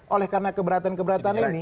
oleh karena keberatan keberatan ini